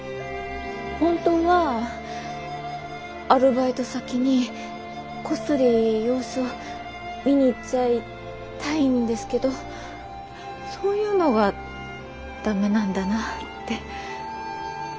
本当はアルバイト先にこっそり様子を見に行っちゃいたいんですけどそういうのがダメなんだなって。